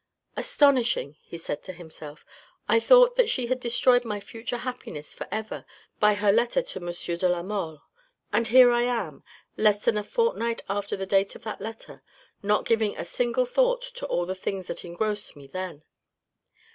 "Astonishing," he said to himself, "I thought that she had destroyed my future happiness for ever by her letter to M. de la Mole, and here am I, less than a fortnight after the date of that letter, not giving a single thought to all the things that engrossed me then.